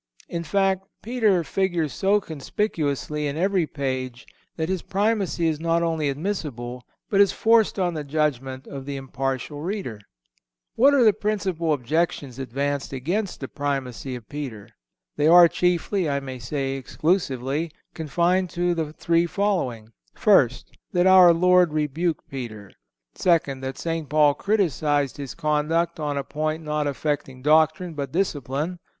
In fact Peter figures so conspicuously in every page that his Primacy is not only admissible, but is forced on the judgment of the impartial reader. What are the principal objections advanced against the Primacy of Peter? They are chiefly, I may say exclusively, confined to the three following: First—That our Lord rebuked Peter. Second—That St. Paul criticised his conduct on a point not affecting doctrine, but discipline.